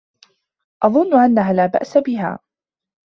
أظن أنها لا بأس بها.